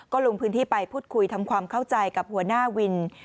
ก็ลงพื้นที่ไปพูดคุยทำความเข้าใจกับหัวหน้าวิน